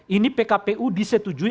ini pkpu disetujui